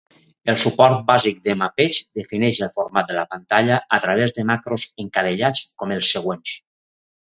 El suport bàsic de mapeig defineix el format de la pantalla a través de macros encadellats com els següents.